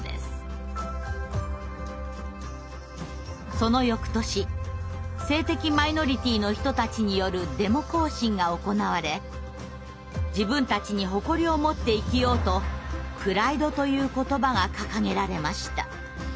その翌年性的マイノリティーの人たちによるデモ行進が行われ自分たちに誇りをもって生きようと「プライド」という言葉が掲げられました。